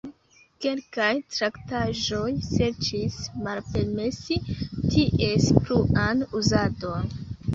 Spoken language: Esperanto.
Kelkaj traktaĵoj serĉis malpermesi ties pluan uzadon.